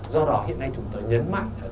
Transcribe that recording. do đó hiện nay chúng ta nhấn mạnh